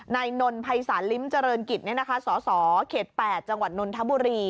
ในนนภศฤกิจสสเก๘จนทบ